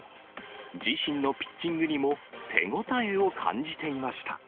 自身のピッチングにも手応えを感じていました。